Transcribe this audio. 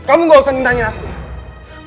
kamu gak usah nanya aku ya